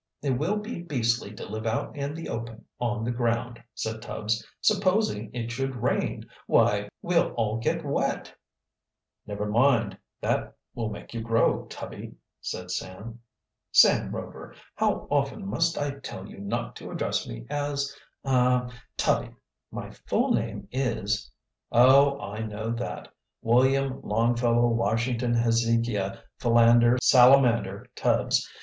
"It will be beastly to live out in the open, on the ground," said Tubbs. "Supposing it should rain? Why, we'll all get wet!" "Never mind, that will make you grow, Tubby," said Sam. "Sam Rover, how often must I tell you not to address me as ah Tubby. My full name is " "Oh, I know that William Longfellow Washington Hezekiah Philander Salamander Tubbs.